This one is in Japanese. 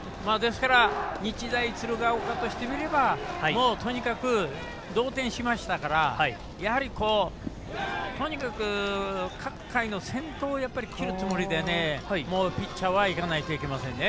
日大鶴ヶ丘としてみればとにかく同点しましたからとにかく各回の先頭を切るつもりでピッチャーはいかないといけませんね。